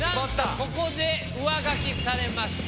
ここで上書きされました。